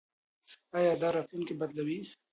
ایا دا راتلونکی بدلوي؟